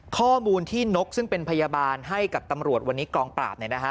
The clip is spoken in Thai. ข้อมูลที่นกซึ่งเป็นพยาบาลให้กับตำรวจวันนี้กองปราบ